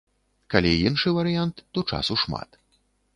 Калі іншы варыянт, то часу шмат.